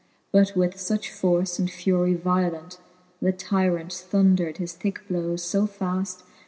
But with fuch force and furie violent, The tyrant thundred his thicke blowes fb faft.